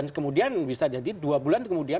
untuk menurut anda